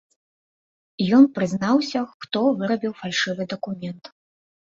Ён прызнаўся, хто вырабіў фальшывы дакумент.